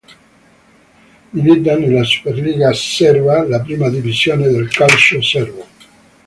Milita nella Superliga serba, la prima divisione del calcio serbo.